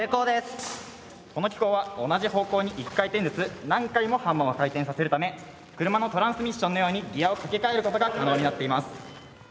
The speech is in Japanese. この機構は同じ方向に１回転ずつ何回もハンマーを回転させるため車のトランスミッションのようにギアをかけ替えることが可能になっています。